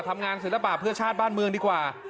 ศิลปะเพื่อชาติบ้านเมืองดีกว่า